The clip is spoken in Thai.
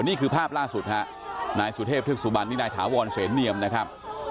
นี่คือภาพล่าสุดฮะนายสุเทพธึกสุบันนี่นายถาวรเสนเนียมนะครับ